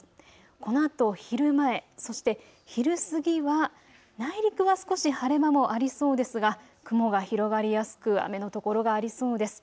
このあと昼前、そして昼過ぎは内陸は少し晴れ間もありそうですが雲が広がりやすく雨の所がありそうです。